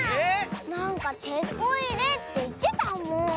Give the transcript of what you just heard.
なんかテコいれっていってたもん。